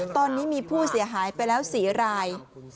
ตอนนี้มีผู้เสียหายไปแล้ว๔ราย